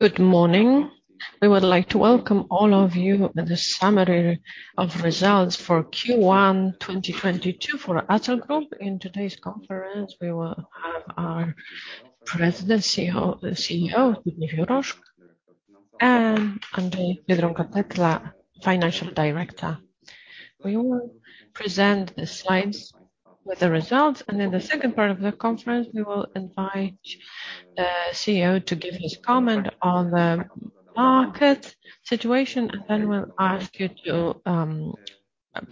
Good morning. We would like to welcome all of you to the summary of results for Q1 2022 for Atal Group. In today's conference, we will have our President and CEO, Zbigniew Juroszek, and Andrzej Biedronka-Tetla, Financial Director. We will present the slides with the results, and in the second part of the conference, we will invite CEO to give his comment on the market situation, and then we'll ask you to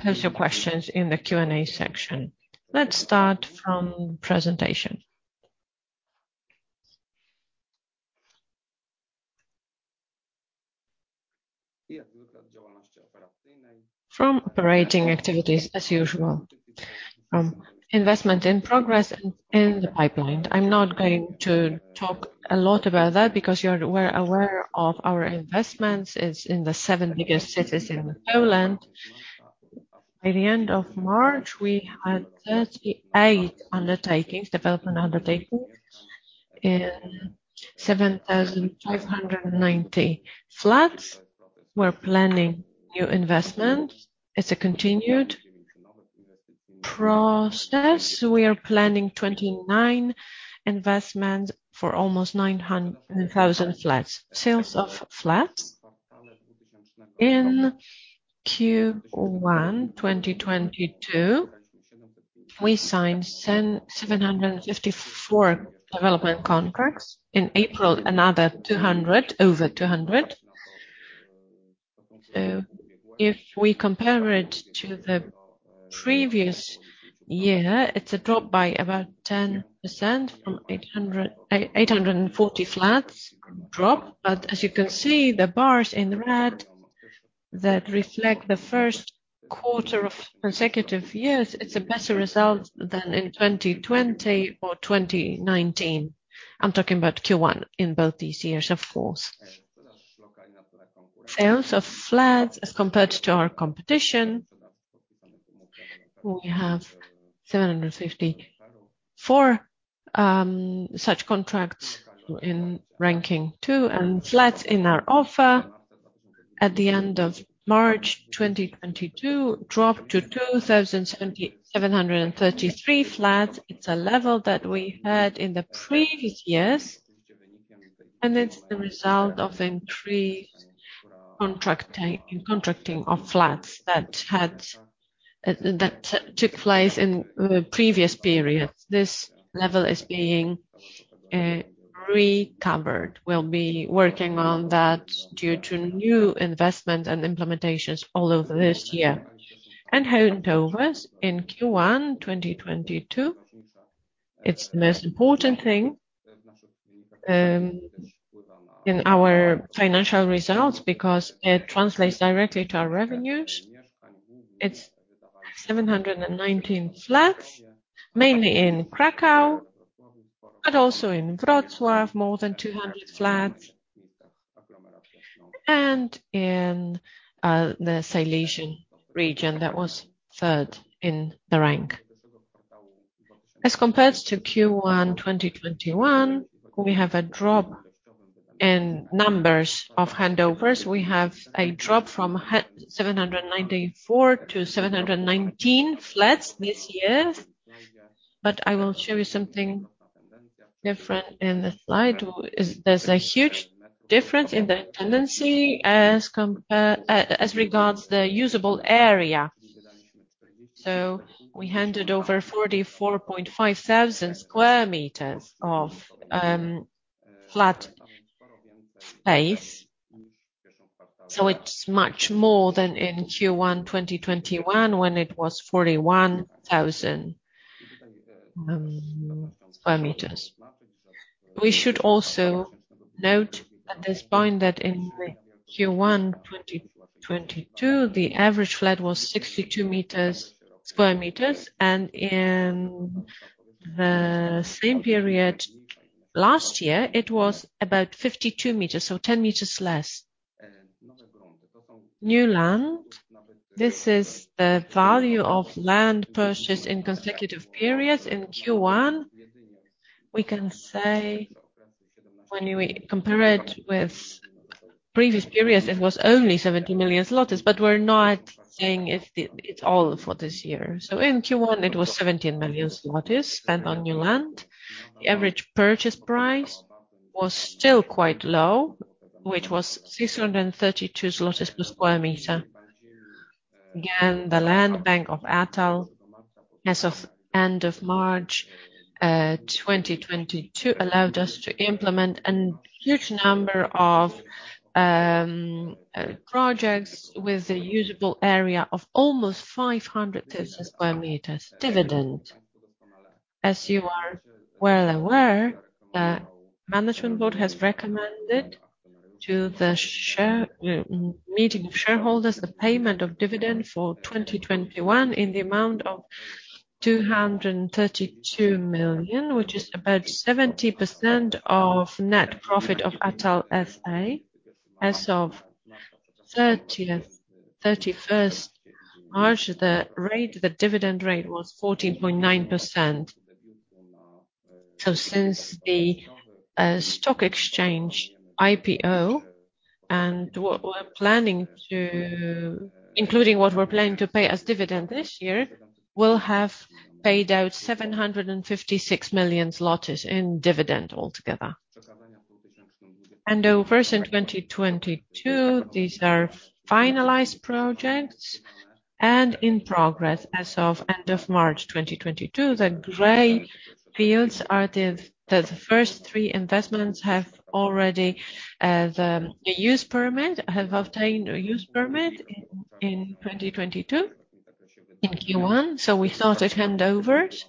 pose your questions in the Q&A section. Let's start from presentation. From operating activities as usual. Investment in progress and in the pipeline. I'm not going to talk a lot about that because you are well aware of our investments. It's in the seven biggest cities in Poland. By the end of March, we had 38 undertakings, development undertakings in 7,590 flats. We're planning a new investment. It's a continued process. We are planning 29 investments for almost 900,000 flats. Sales of flats. In Q1 2022, we signed 754 development contracts. In April, another 200, over 200. If we compare it to the previous year, it's a drop by about 10% from 840 flats drop. As you can see, the bars in red that reflect the first quarter of consecutive years, it's a better result than in 2020 or 2019. I'm talking about Q1 in both these years, of course. Sales of flats, as compared to our competition, we have 754 such contracts in ranking two. Flats in our offer at the end of March 2022 dropped to 2,773 flats. It's a level that we had in the previous years, and it's the result of increased contracting of flats that took place in previous periods. This level is being recovered. We'll be working on that due to new investment and implementations all over this year. Handovers in Q1 2022, it's the most important thing in our financial results because it translates directly to our revenues. It's 719 flats, mainly in Kraków, but also in Wrocław, more than 200 flats, and in the Silesian region that was third in the rank. As compared to Q1 2021, we have a drop in numbers of handovers. We have a drop from 794 to 719 flats this year. I will show you something different in the slide. There's a huge difference in the tendency as regards the usable area. We handed over 44.5 thousand square meters of flat space, it's much more than in Q1 2021, when it was 41,000 square meters. We should also note at this point that in Q1 2022, the average flat was 62 square meters, and in the same period last year, it was about 52 meters, so 10 meters less. New land, this is the value of land purchased in consecutive periods. In Q1, we can say when we compare it with previous periods, it was only 70 million zlotys, but we're not saying it's all for this year. In Q1, it was 70 million zlotys spent on new land. The average purchase price was still quite low, which was 632 zlotys per square meter. Again, the land bank of ATAL, as of end of March 2022, allowed us to implement a huge number of projects with a usable area of almost 500,000 square meters. Dividend. As you are well aware, the management board has recommended to the meeting of shareholders the payment of dividend for 2021 in the amount of 232 million, which is about 70% of net profit of Atal S.A. As of 31st March, the dividend rate was 14.9%. Since the stock exchange IPO, including what we're planning to pay as dividends this year, we'll have paid out 756 million zlotys in dividend altogether. Over in 2022, these are finalized projects and in progress as of end of March 2022. The gray fields are the first three investments have already obtained a use permit in 2022 in Q1, so we started handovers.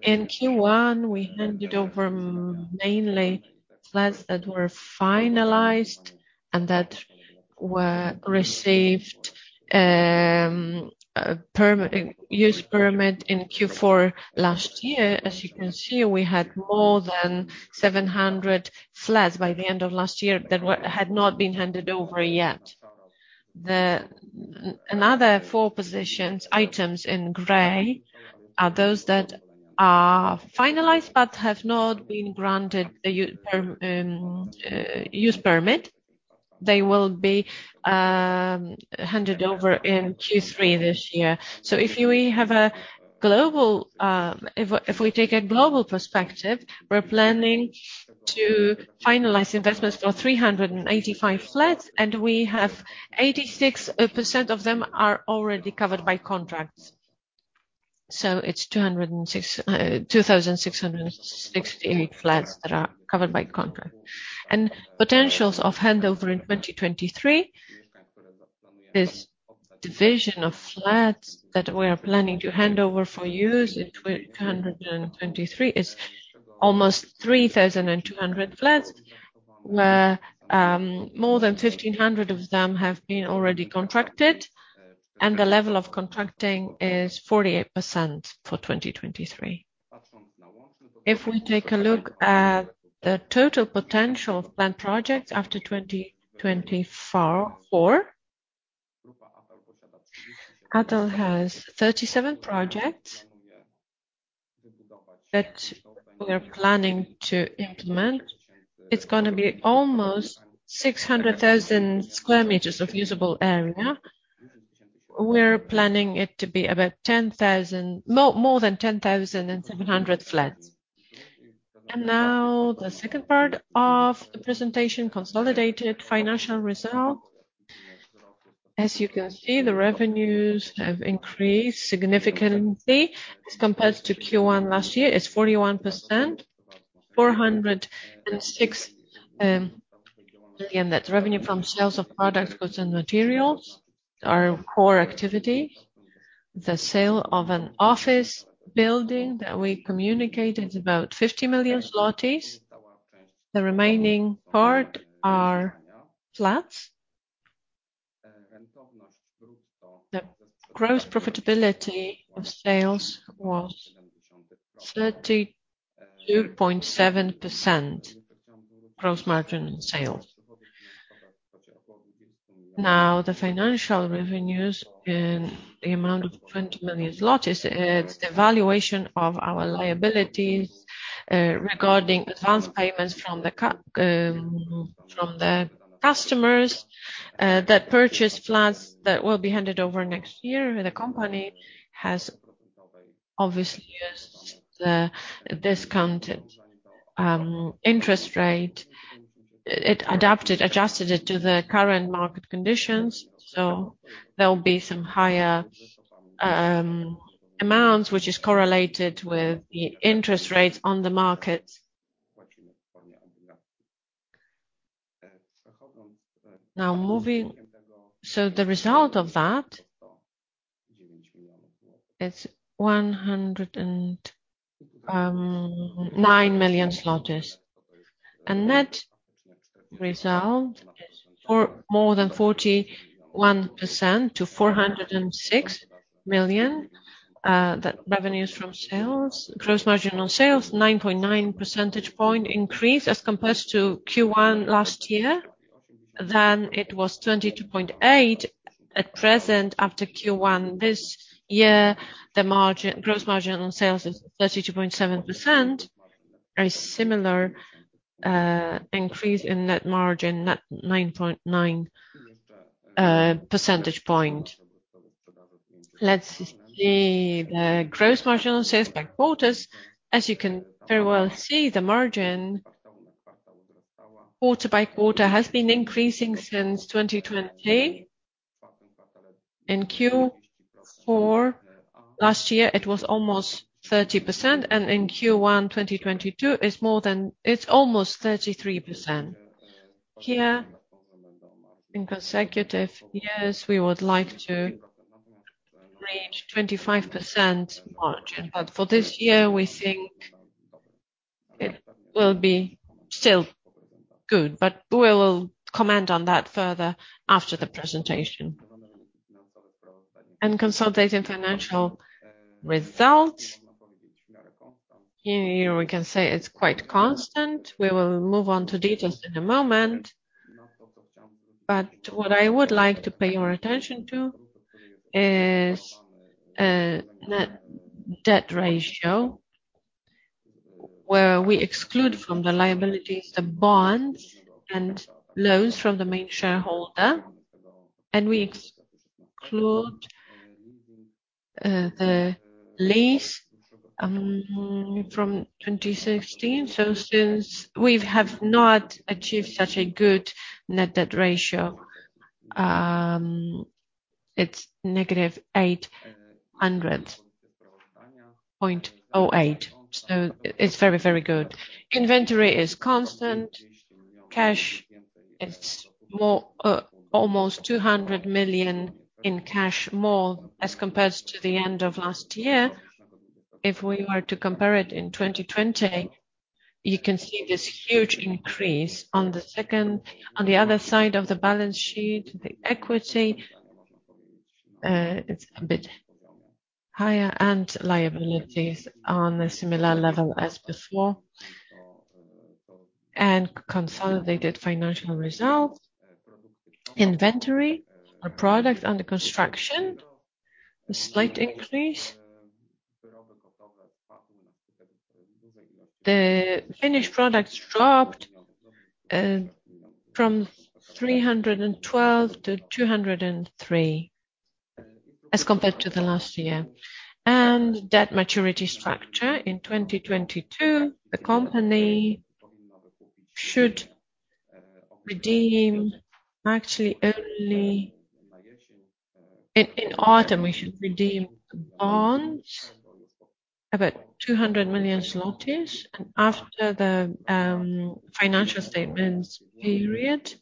In Q1, we handed over mainly flats that were finalized and that were received a use permit in Q4 last year. As you can see, we had more than 700 flats by the end of last year that had not been handed over yet. Another four positions, items in gray are those that are finalized but have not been granted a use permit. They will be handed over in Q3 this year. We have a global, if we take a global perspective, we're planning to finalize investments for 385 flats, and we have 86% of them already covered by contracts. It's 2,668 flats that are covered by contract. Potentials of handover in 2023, this division of flats that we are planning to hand over for use in 2023 is almost 3,200 flats, where more than 1,500 of them have been already contracted, and the level of contracting is 48% for 2023. If we take a look at the total potential of planned projects after 2024, Atal has 37 projects that we are planning to implement. It's gonna be almost 600,000 square meters of usable area. We're planning it to be about 10,000 more than 10,700 flats. Now, the second part of the presentation, consolidated financial result. As you can see, the revenues have increased significantly as compared to Q1 last year. It's 41%, 406 million, again, that's revenue from sales of products, goods and materials, our core activity. The sale of an office building that we communicated, it's about 50 million zlotys. The remaining part are flats. The gross profitability of sales was 32.7% gross margin in sales. Now, the financial revenues in the amount of 20 million zlotys, it's the valuation of our liabilities regarding advanced payments from the customers that purchase flats that will be handed over next year. The company has obviously used the discounted interest rate. It adapted, adjusted it to the current market conditions, so there'll be some higher amounts which is correlated with the interest rates on the market. The result of that is PLN 109 million. Net result for more than 41% to 406 million that revenues from sales. Gross margin on sales 9.9 percentage point increase as compared to Q1 last year. It was 22.8. At present, after Q1 this year, the gross margin on sales is 32.7%. A similar increase in net margin, net 9.9 percentage point. Let's see the gross margin on sales by quarters. As you can very well see, the margin quarter by quarter has been increasing since 2020. In Q4 last year, it was almost 30%, and in Q1 2022, it's almost 33%. Here, in consecutive years, we would like to reach 25% margin. For this year, we think it will be still good, but we will comment on that further after the presentation. Consolidated financial result. Here, we can say it's quite constant. We will move on to details in a moment. What I would like to pay your attention to is net debt ratio, where we exclude from the liabilities the bonds and loans from the main shareholder, and we exclude the lease from 2016. Since we have achieved such a good net debt ratio, it's -0.08, so it's very, very good. Inventory is constant. Cash, it's more, almost 200 million in cash more as compared to the end of last year. If we were to compare it in 2020, you can see this huge increase. On the other side of the balance sheet, the equity, it's a bit higher, and liabilities are on a similar level as before. Consolidated financial results, inventory, our products under construction, a slight increase. The finished products dropped from 312 to 203 as compared to the last year. Debt maturity structure in 2022, the company should redeem actually early. In autumn, we should redeem bonds about 200 million zlotys. After the financial statements period,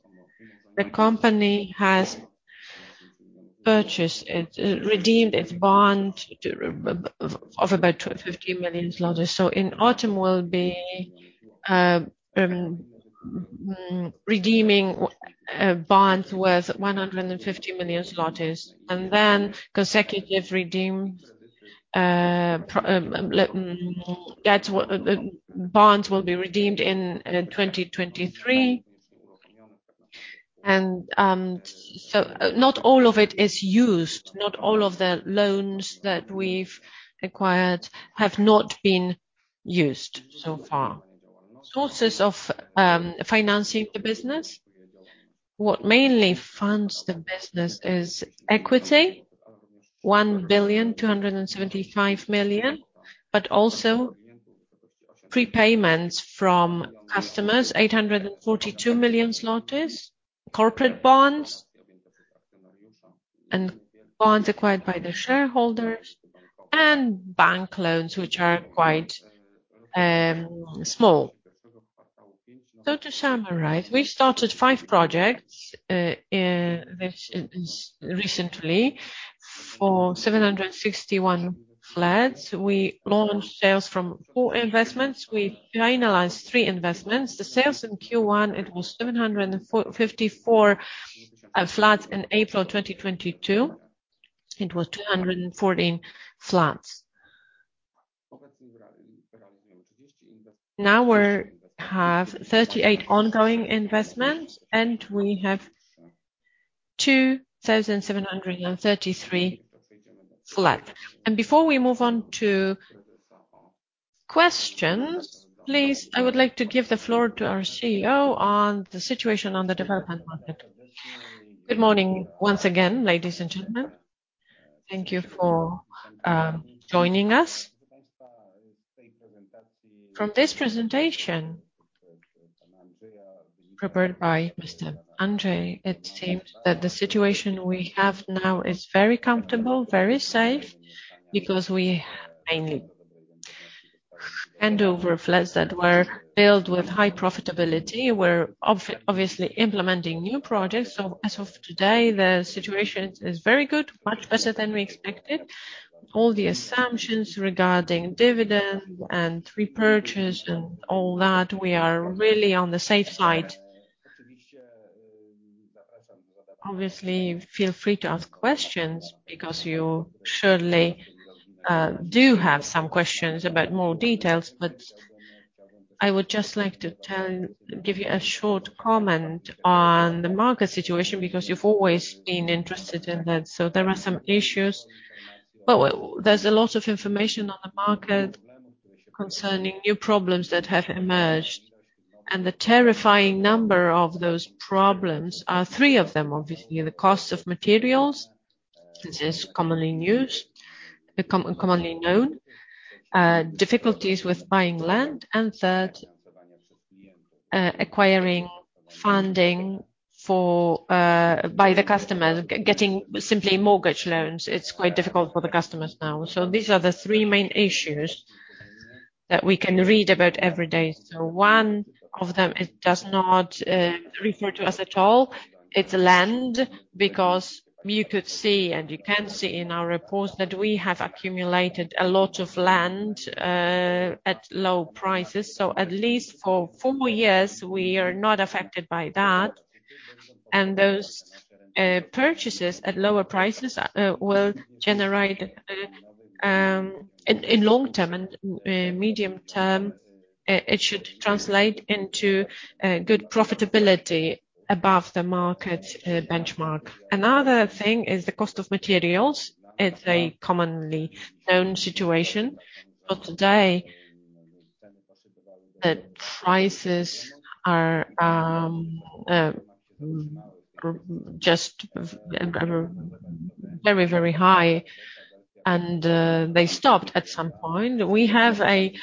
the company redeemed its bond of roughly about 25 million zlotys. In autumn will be redeeming bonds worth 150 million zlotys. Then the bonds will be redeemed in 2023. Not all of it is used. Not all of the loans that we've acquired have not been used so far. Sources of financing the business. What mainly funds the business is equity, 1,275 million, but also prepayments from customers, 842 million zloty, corporate bonds, and bonds acquired by the shareholders and bank loans, which are quite small. To summarize, we started five projects, this is recently for 761 flats. We launched sales from four investments. We finalized three investments. The sales in Q1, it was 754 flats. In April 2022, it was 214 flats. Now we have 38 ongoing investments, and we have 2,733 flats. Before we move on to questions, please, I would like to give the floor to our CEO on the situation on the development market. Good morning once again, ladies and gentlemen. Thank you for joining us. From this presentation prepared by Mr Andrzej, it seems that the situation we have now is very comfortable, very safe, because we mainly hand over flats that were built with high profitability. We're obviously implementing new projects. As of today, the situation is very good, much better than we expected. All the assumptions regarding dividend and repurchase and all that, we are really on the safe side. Obviously, feel free to ask questions because you surely do have some questions about more details. I would just like to tell, give you a short comment on the market situation because you've always been interested in that. There are some issues. There's a lot of information on the market concerning new problems that have emerged. The terrifying number of those problems are three of them, obviously. The cost of materials, this is commonly used, commonly known. Difficulties with buying land. Third, acquiring funding by the customers, getting simply mortgage loans. It's quite difficult for the customers now. These are the three main issues that we can read about every day. One of them, it does not refer to us at all. It's land because you could see, and you can see in our reports that we have accumulated a lot of land at low prices. At least for four years, we are not affected by that. Those purchases at lower prices will generate in long term and medium term, it should translate into good profitability above the market benchmark. Another thing is the cost of materials. It's a commonly known situation. Today, the prices are just very, very high, and they stopped at some point. We have a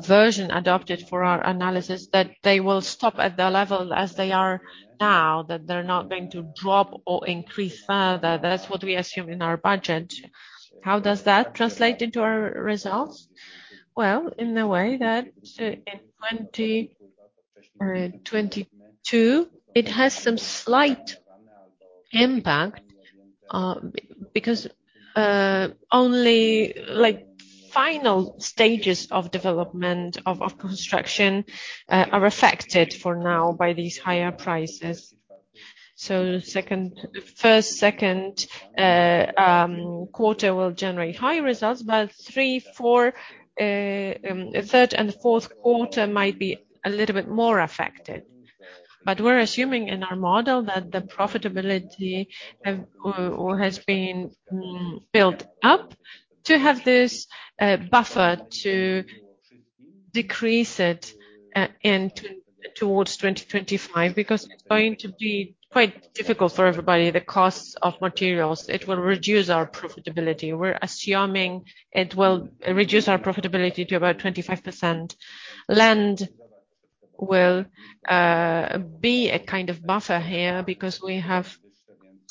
version adopted for our analysis that they will stop at the level as they are now, that they're not going to drop or increase further. That's what we assume in our budget. How does that translate into our results? Well, in the way that in 2020 or in 2022, it has some slight impact, because only like final stages of development of construction are affected for now by these higher prices. First, second quarter will generate high results, but third and fourth quarter might be a little bit more affected. We're assuming in our model that the profitability has been built up to have this buffer to decrease it towards 2025, because it's going to be quite difficult for everybody, the costs of materials. It will reduce our profitability. We're assuming it will reduce our profitability to about 25%. Land will be a kind of buffer here because we have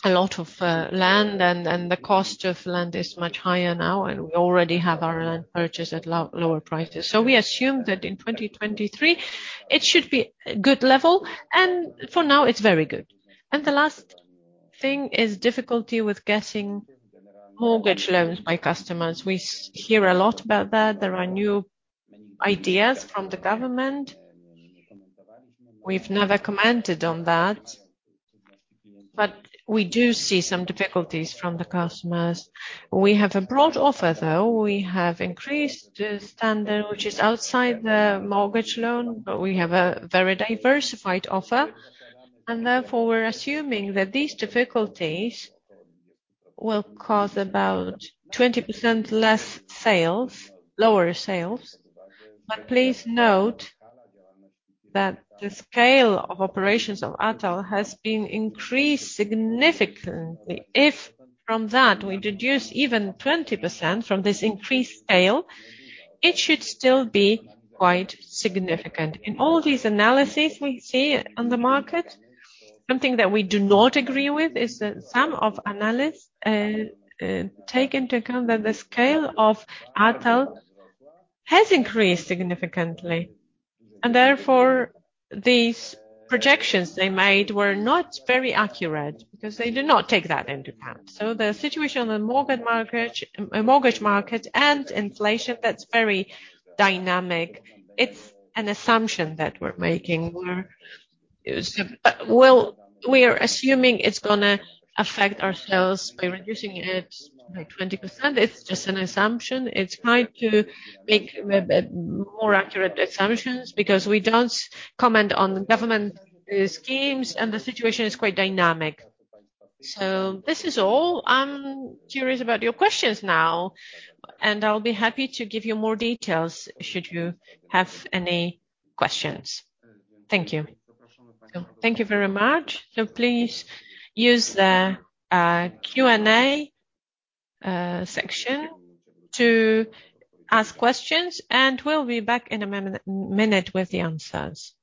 a lot of land, and the cost of land is much higher now, and we already have our land purchased at lower prices. We assume that in 2023, it should be a good level, and for now, it's very good. The last thing is difficulty with getting mortgage loans by customers. We hear a lot about that. There are new ideas from the government. We've never commented on that, but we do see some difficulties from the customers. We have a broad offer, though. We have increased standard, which is outside the mortgage loan, but we have a very diversified offer. Therefore, we're assuming that these difficulties will cause about 20% less sales, lower sales. Please note that the scale of operations of Atal has been increased significantly. If from that we deduce even 20% from this increased scale, it should still be quite significant. In all these analyses we see on the market, something that we do not agree with is that some analysts do not take into account that the scale of Atal has increased significantly, and therefore, these projections they made were not very accurate because they did not take that into account. The situation on the mortgage market and inflation that's very dynamic. It's an assumption that we're making. Well, we are assuming it's gonna affect our sales by reducing it by 20%. It's just an assumption. It's hard to make more accurate assumptions because we don't comment on the government schemes, and the situation is quite dynamic. This is all. I'm curious about your questions now, and I'll be happy to give you more details should you have any questions. Thank you. Thank you very much. Please use the Q&A section to ask questions, and we'll be back in a moment with the answers.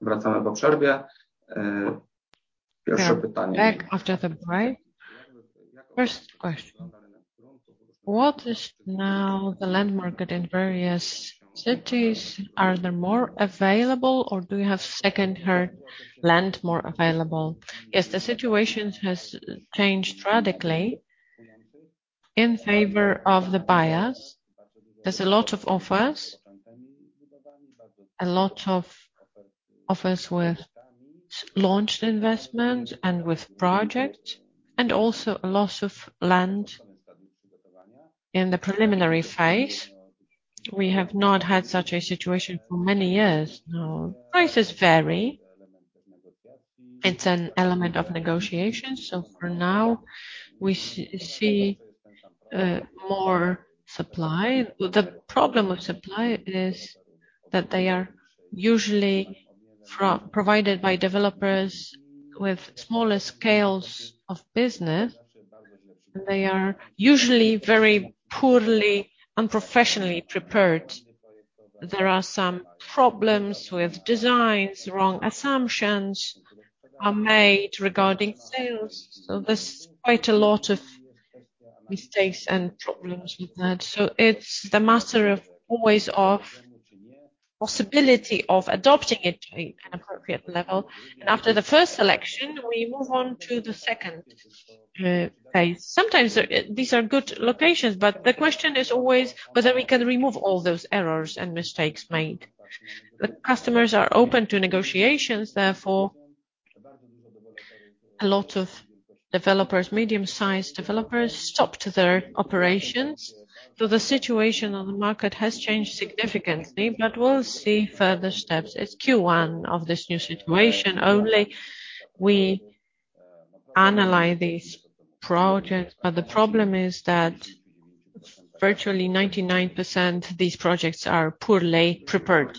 We're back after the break. First question. What is now the land market in various cities? Are there more available, or do you have second-hand land more available? Yes, the situation has changed radically in favour of the buyers. There's a lot of offers, a lot of offers with launched investment and with projects, and also a lot of land in the preliminary phase. We have not had such a situation for many years now. Prices vary. It's an element of negotiation. For now, we see more supply. The problem with supply is that they are usually provided by developers with smaller scales of business. They are usually very poorly, unprofessionally prepared. There are some problems with designs. Wrong assumptions are made regarding sales. There's quite a lot of mistakes and problems with that. It's the matter of always possibility of adapting it to an appropriate level. After the first selection, we move on to the second phase. Sometimes these are good locations, but the question is always whether we can remove all those errors and mistakes made. The customers are open to negotiations. Therefore, a lot of developers, medium-sized developers, stopped their operations. The situation on the market has changed significantly, but we'll see further steps. It's Q1 of this new situation. Only we analyze these projects, but the problem is that virtually 99% of these projects are poorly prepared.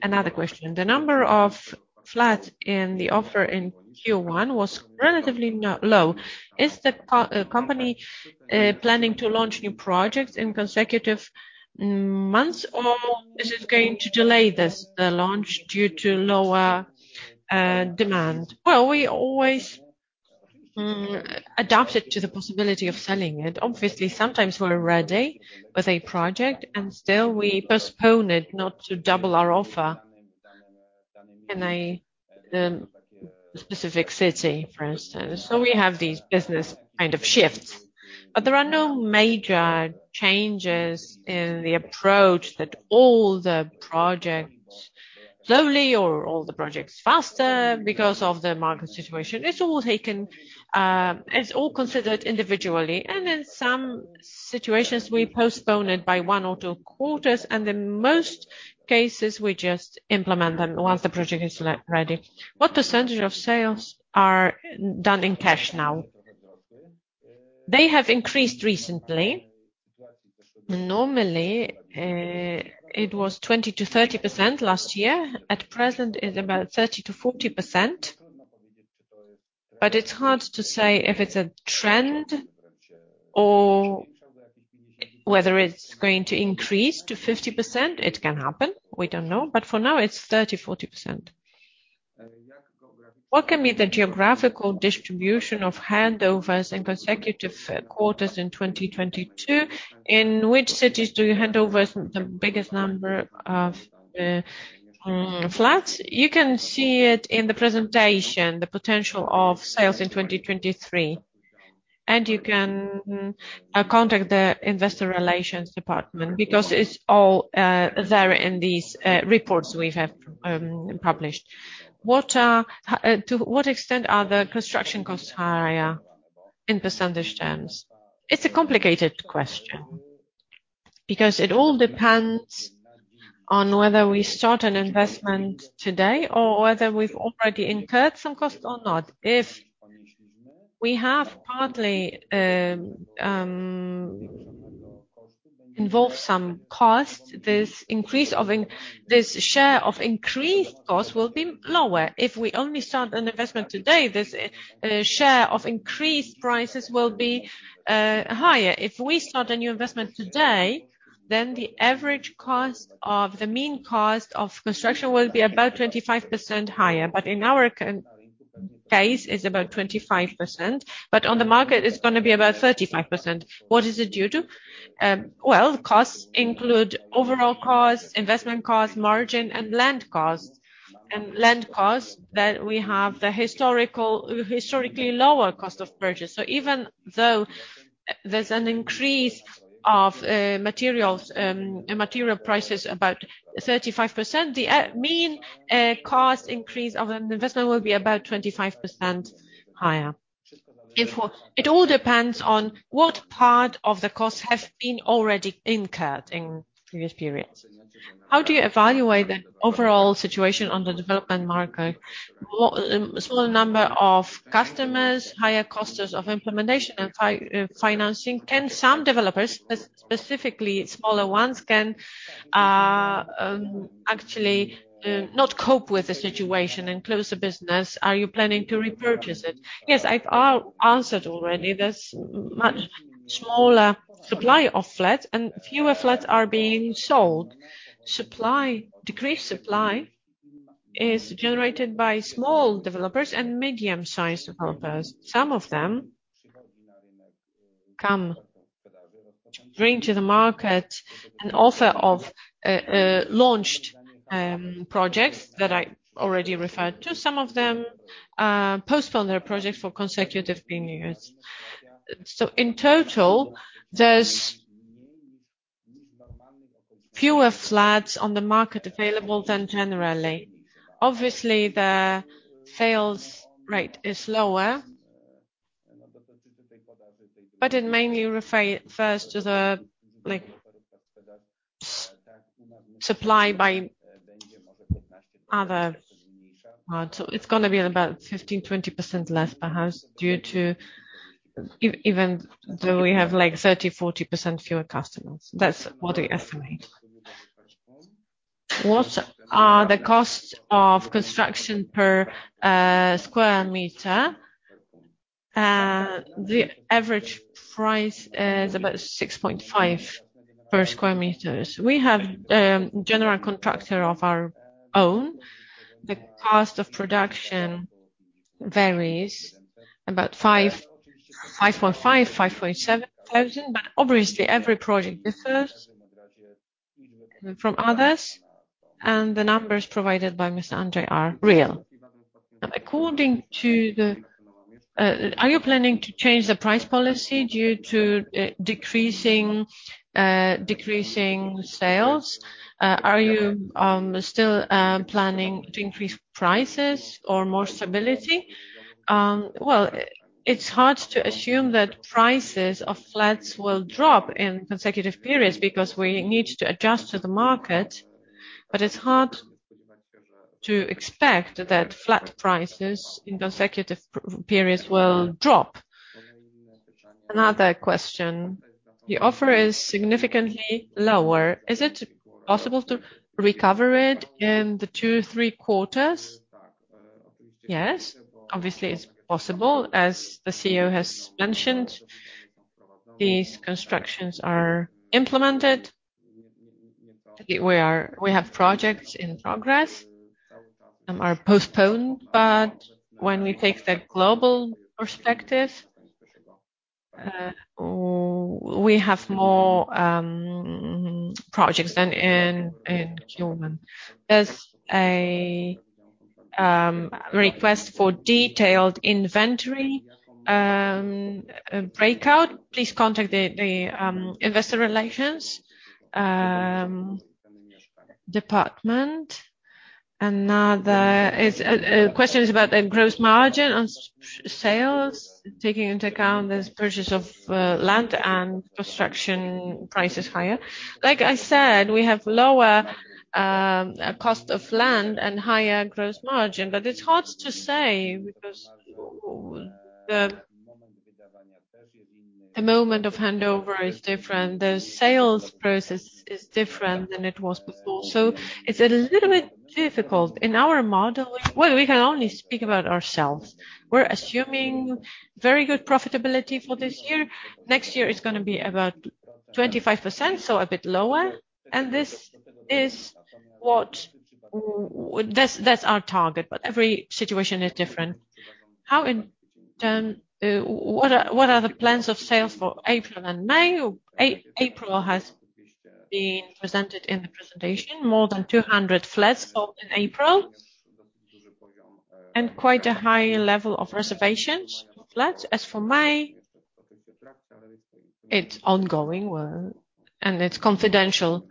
Another question, the number of flats in the offer in Q1 was relatively low. Is the company planning to launch new projects in consecutive months, or is it going to delay this, the launch due to lower demand? Well, we always adapt it to the possibility of selling it. Obviously, sometimes we're ready with a project, and still we postpone it not to double our offer in a specific city, for instance. We have these business shifts. There are no major changes in the approach that all the projects slowly or all the projects faster because of the market situation. It's all taken, it's all considered individually. In some situations, we postpone it by one or two quarters, and in most cases, we just implement them once the project is ready. What percentage of sales are done in cash now? They have increased recently. Normally, it was 20%-30% last year. At present, it's about 30%-40%. It's hard to say if it's a trend or whether it's going to increase to 50%. It can happen. We don't know. For now, it's 30%-40%. What can be the geographical distribution of handovers in consecutive quarters in 2022? In which cities do you hand over the biggest number of flats? You can see it in the presentation, the potential of sales in 2023. You can contact the investor relations department because it's all there in these reports we have published. To what extent are the construction costs higher in percentage terms? It's a complicated question because it all depends on whether we start an investment today or whether we've already incurred some costs or not. If we have partly involved some costs, this share of increased cost will be lower. If we only start an investment today, this share of increased prices will be higher. If we start a new investment today, the average cost of construction will be about 25% higher. In our case, it's about 25%, but on the market, it's gonna be about 35%. What is it due to? Costs include overall costs, investment costs, margin, and land costs. Land costs that we have historically lower cost of purchase. Even though there's an increase of materials material prices about 35%, the mean cost increase of an investment will be about 25% higher. It all depends on what part of the costs have been already incurred in previous periods. How do you evaluate the overall situation on the development market? A small number of customers, higher costs of implementation and financing. Can some developers, specifically smaller ones, actually not cope with the situation and close the business? Are you planning to repurchase it? Yes, I've answered already. There's a much smaller supply of flats, and fewer flats are being sold. Decreased supply is generated by small developers and medium-sized developers. Some of them come, bring to the market an offer of launched projects that I already referred to. Some of them postpone their projects for consecutive years. In total, there's fewer flats on the market available than in general. Obviously, the sales rate is lower, but it mainly refers to the supply by others. It's gonna be about 15-20% less, perhaps even though we have 30%-40% fewer customers. That's what we estimate. What are the costs of construction per square meter? The average price is about 6.5 per square meter. We have a general contractor of our own. The cost of production varies about 5.5, 5.7. Every project differs from others, and the numbers provided by Mr Andrzej are real. Are you planning to change the price policy due to decreasing sales? Are you still planning to increase prices or more stability? It's hard to assume that prices of flats will drop in consecutive periods because we need to adjust to the market, but it's hard to expect that flat prices in consecutive periods will drop. Another question, the offer is significantly lower. Is it possible to recover it in the two, three quarters? Yes. Obviously, it's possible. As the CEO has mentioned, these constructions are implemented. We have projects in progress. are postponed, but when we take the global perspective, we have more projects than in general. There's a request for detailed inventory breakout. Please contact the investor relations department. Another is a question is about the gross margin on sales, taking into account this purchase of land and construction price is higher. Like I said, we have lower cost of land and higher gross margin, but it's hard to say because the moment of handover is different. The sales process is different than it was before. It's a little bit difficult. In our modeling. Well, we can only speak about ourselves. We're assuming very good profitability for this year. Next year is gonna be about 25%, so a bit lower. This is what. Well, that's our target, but every situation is different. How, in turn, what are the plans of sales for April and May? April has been presented in the presentation, more than 200 flats sold in April, and quite a high level of reservations for flats. As for May, it's ongoing. Well, and it's confidential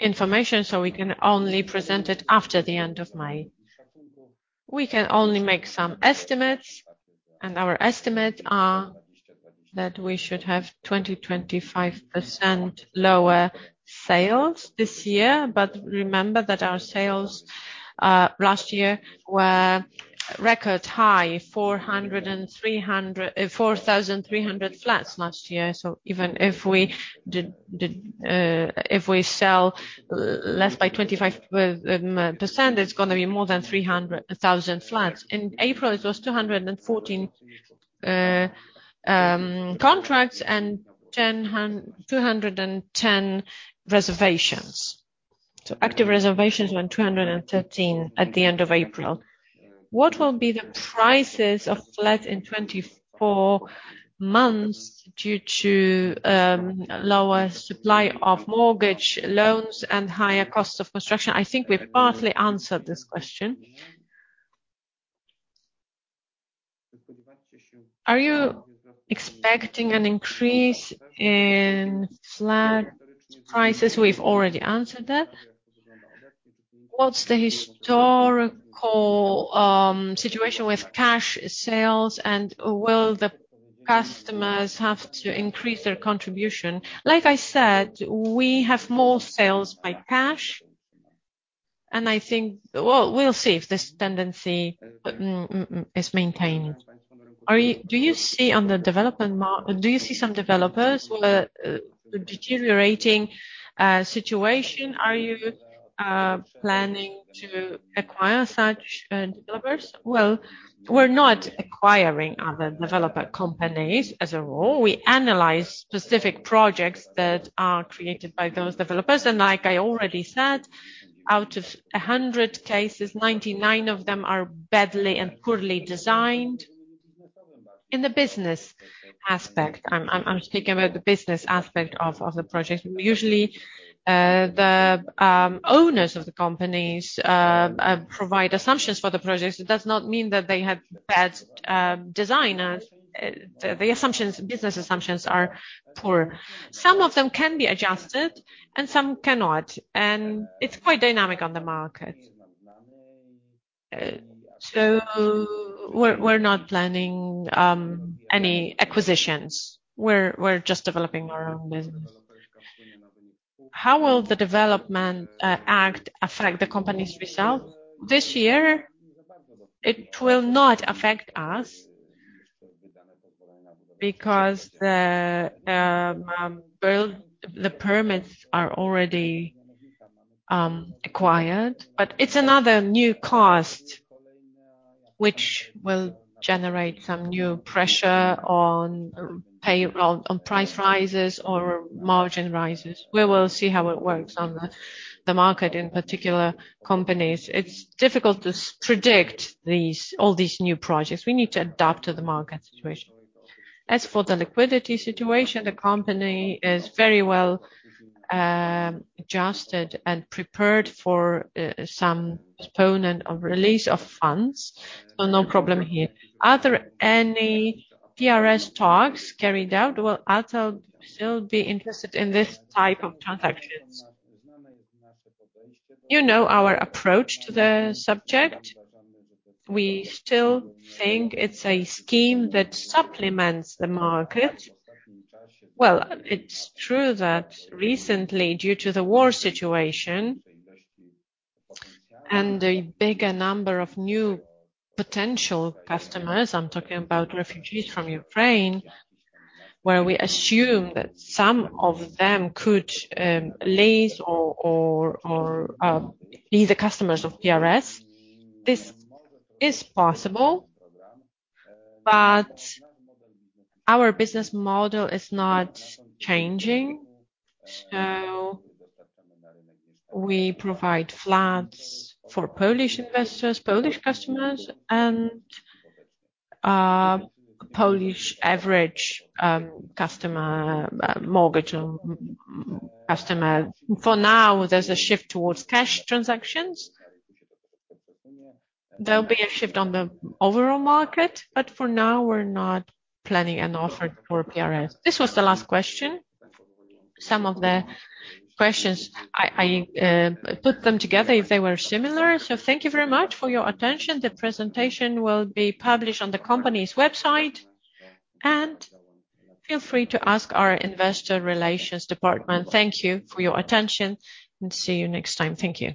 information, so we can only present it after the end of May. We can only make some estimates, and our estimates are that we should have 20%-25% lower sales this year. Remember that our sales last year were record high, 4,300 flats last year. Even if we sell less by 25%, it's gonna be more than 3,000 flats. In April, it was 214 contracts and 210 reservations. Active reservations were 213 at the end of April. What will be the prices of flat in 24 months due to lower supply of mortgage loans and higher cost of construction? I think we've partly answered this question. Are you expecting an increase in flat prices? We've already answered that. What's the historical situation with cash sales, and will the customers have to increase their contribution? Like I said, we have more sales by cash, and we'll see if this tendency is maintained. Do you see some developers with a deteriorating situation? Are you planning to acquire such developers? Well, we're not acquiring other developer companies as a rule. We analyze specific projects that are created by those developers. Like I already said, out of 100 cases, 99 of them are badly and poorly designed in the business aspect. I'm speaking about the business aspect of the project. Usually, the owners of the companies provide assumptions for the projects. It does not mean that they have bad designers. The business assumptions are poor. Some of them can be adjusted, and some cannot. It's quite dynamic on the market. We're not planning any acquisitions. We're just developing our own business. How will the Developer Act affect the company's result? This year, it will not affect us because the permits are already acquired. It's another new cost which will generate some new pressure on payroll, on price rises or margin rises. We will see how it works on the market, in particular companies. It's difficult to predict all these new projects. We need to adapt to the market situation. As for the liquidity situation, the company is very well adjusted and prepared for some component of release of funds, so no problem here. Are there any PRS talks carried out? Will Atal still be interested in this type of transaction? You know our approach to the subject. We still think it's a scheme that supplements the market. Well, it's true that recently, due to the war situation and the bigger number of new potential customers, I'm talking about refugees from Ukraine, where we assume that some of them could lease or be the customers of PRS. This is possible, but our business model is not changing. We provide flats for Polish investors, Polish customers and Polish average customer mortgage customer. For now, there's a shift towards cash transactions. There'll be a shift on the overall market, but for now, we're not planning an offer for PRS. This was the last question. Some of the questions I put them together if they were similar. Thank you very much for your attention. The presentation will be published on the company's website, and feel free to ask our investor relations department. Thank you for your attention, and see you next time. Thank you.